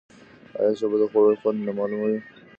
آیا ژبه د خوړو خوند نه معلوموي؟